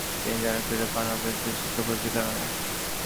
তিনি জনপ্রিয়তা পান অপ্রচলিত শিক্ষা পদ্ধতির কারণে।